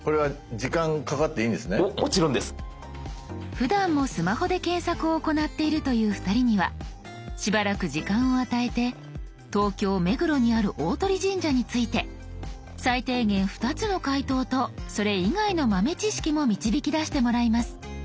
ふだんもスマホで検索を行っているという２人にはしばらく時間を与えて東京目黒にある大鳥神社について最低限２つの回答とそれ以外の豆知識も導き出してもらいます。